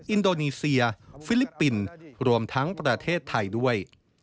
อินโดนีเซียฟิลิปปินส์รวมทั้งประเทศไทยด้วย